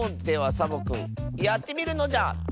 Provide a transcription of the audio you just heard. ではサボくんやってみるのじゃ。